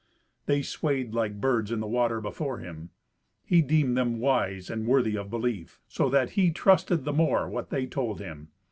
They swayed like birds in the water before him. He deemed them wise and worthy of belief, so that he trusted the more what they told him.